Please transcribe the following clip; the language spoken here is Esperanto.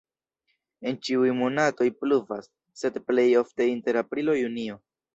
En ĉiuj monatoj pluvas, sed plej ofte inter aprilo-junio.